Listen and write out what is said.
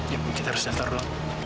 yuk kita harus datang dulu